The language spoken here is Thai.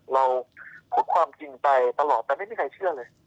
เราพูดความจริงไปตลอดแต่ไม่มีใครเชื่อเลย